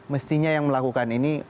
mestinya yang melakukan ini